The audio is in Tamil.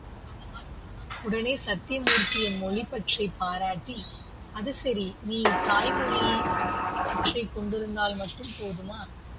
உடனே சத்யமூர்த்தி என் மொழிப்பற்றைப் பாராட்டி, அது சரி நீ தாய் மொழிப் பற்றுக் கொண்டிருந்தால் மட்டும் போதுமா?